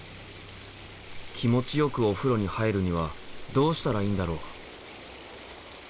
気持ちよくお風呂に入るにはどうしたらいいんだろう？